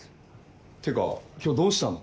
てか今日どうしたの？